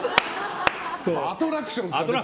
アトラクションですから。